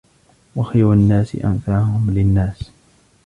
وَخَيْرُ النَّاسِ أَنْفَعُهُمْ لِلنَّاسِ